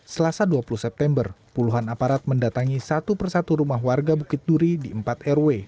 selasa dua puluh september puluhan aparat mendatangi satu persatu rumah warga bukit duri di empat rw